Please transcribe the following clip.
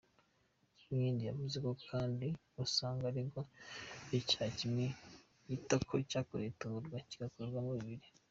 Uwinkindi yavuze kandi ko asanga aregwa icyaha kimwe yita ko cyakorewe ‘itubura’ kigakurwamo bibiri.